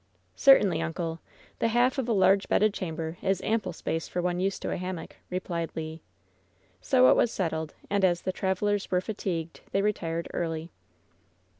"Certainly, uncle. The half of a large bedded cham ber is ample space for one used to a hammock," replied Le. So it was settled, and as the travelers were fatigued, they retired early.